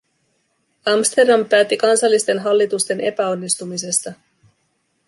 Amsterdam päätti kansallisten hallitusten epäonnistumisesta.